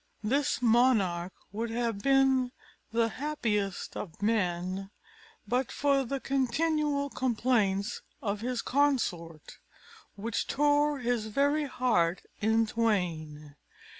This monarch would have been the happiest of men, but for the continual complaints of his consort, which tore his very heart in twain.